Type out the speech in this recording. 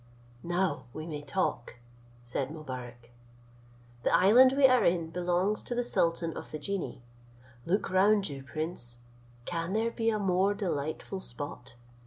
"Now we may talk," said Mobarec: "the island we are in belongs to the sultan of the genii. Look round you, prince; can there be a more delightful spot?